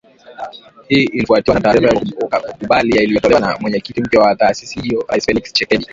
Hii ilifuatiwa na taarifa ya kukubali iliyotolewa na mwenyekiti mpya wa taasisi hiyo Rais Felix Tshisekedi